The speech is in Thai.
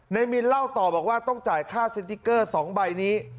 มินเล่าต่อบอกว่าต้องจ่ายค่าสติ๊กเกอร์๒ใบนี้